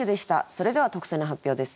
それでは特選の発表です。